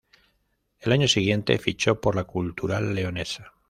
El año siguiente fichó por la Cultural Leonesa.